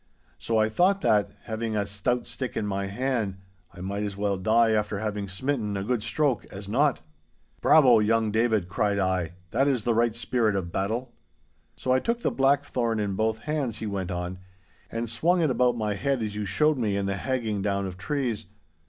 So I thought that, having a stout stick in my hand, I might as well die after having smitten a good stroke as not—' 'Bravo, young David!' cried I; 'that is the right spirit of battle.' 'So I took the blackthorn in both hands,' he went on, 'and swung it about my head as you showed me in the hagging down of trees.